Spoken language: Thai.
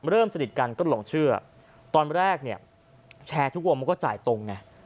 สนิทกันก็หลงเชื่อตอนแรกเนี่ยแชร์ทุกวงมันก็จ่ายตรงไง